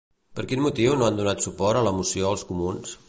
Per quin motiu no han donat suport a la moció els comuns?